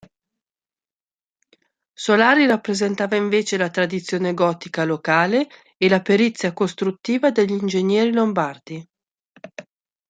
Solari rappresentava invece la tradizione gotica locale e la perizia costruttiva degli ingegneri lombardi.